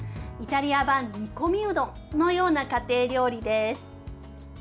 イタリア版煮込みうどんのような家庭料理です。